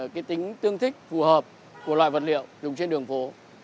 cái tính tương thích phù hợp của loại vật liệu dùng trên đường phố